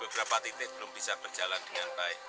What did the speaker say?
orang semua orang